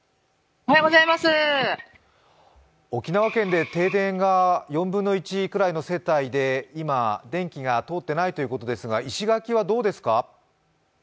沖縄県で停電が４分の１くらいの世帯で、今、電気が通っていないということですが石垣はどうですか？